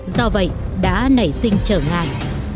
do vậy đã nảy sinh trở ngại